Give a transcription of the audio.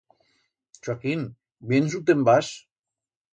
Chuaquín, viens u te'n vas?